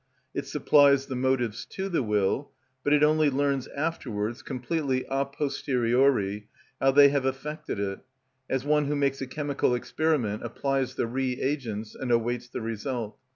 It supplies the motives to the will, but it only learns afterwards, completely a posteriori, how they have affected it, as one who makes a chemical experiment applies the reagents and awaits the result.